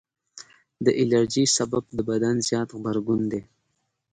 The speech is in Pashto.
د الرجي سبب د بدن زیات غبرګون دی.